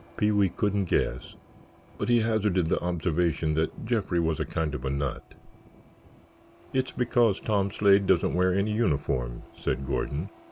Pee wee couldn't guess, but he hazarded the observation that Jeffrey was a kind of a nut. "It's because Tom Slade doesn't wear any uniform," said Gordon.